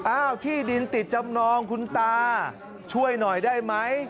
ที่ดินติดจำนองคุณตาช่วยหน่อยได้ไหม